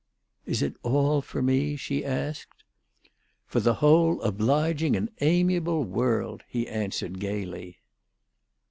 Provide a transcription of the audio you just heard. "Is it all for me?" she asked. "For the whole obliging and amiable world," he answered gaily.